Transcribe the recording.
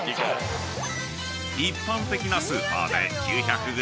［一般的なスーパーで９００ｇ